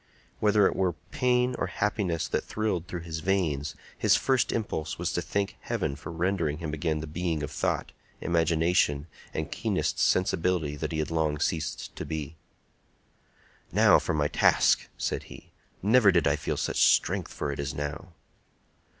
Whether it were pain or happiness that thrilled through his veins, his first impulse was to thank Heaven for rendering him again the being of thought, imagination, and keenest sensibility that he had long ceased to be. "Now for my task," said he. "Never did I feel such strength for it as now."